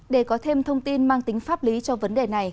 để có thêm thông tin mang tính pháp lý cho vấn đề này